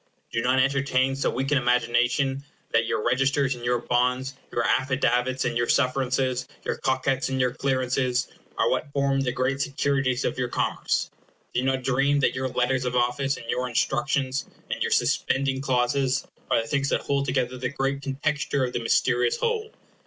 Do not entertain so weak an imagination as that your registers and your bonds, your affidavits and your sufferances, your cockets and your clearances, are what form the great securities of your commerce. Do not dream that your letters of office, and your instructions, and your suspending clauses, are the things that hold together the great contexture of the mysterious whole.